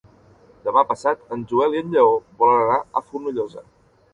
Demà passat en Joel i en Lleó volen anar a Fonollosa.